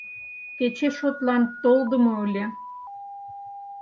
Кече шотлан толдымо ыле.